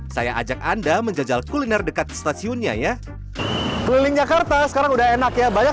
saya ajak anda menjajal kuliner dekat stasiunnya ya keliling jakarta sekarang udah enak ya banyak